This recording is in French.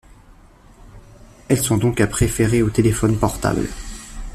Elles sont donc à préférer aux téléphones portables.